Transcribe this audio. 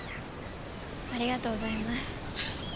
ありがとうございます。